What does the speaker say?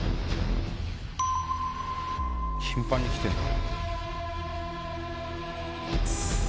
頻繁に来てんだ。